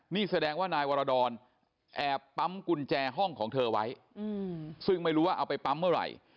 นี่แสดงว่านายวรดรแอบปั๊มกุญแจห้องของเธอไว้ซึ่งไม่รู้ว่าเอาไปปั๊มเมื่อไหร่